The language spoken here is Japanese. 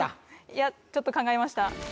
いやちょっと考えました